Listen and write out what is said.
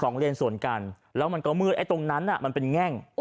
เลนสวนกันแล้วมันก็มืดไอ้ตรงนั้นน่ะมันเป็นแง่ง